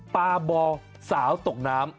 ปาบ่อสาวตกน้ำ